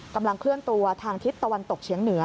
กำลังเคลื่อนตัวทางทิศตะวันตกเฉียงเหนือ